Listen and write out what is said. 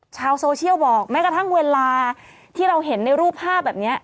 ชาวโซเชียลบอกแม้กระทั่งเวลาที่เราเห็นในรูปภาพแบบนี้